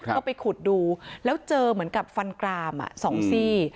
ก็ไปขุดดูแล้วเจอเหมือนกับฟันกราม๒ซี่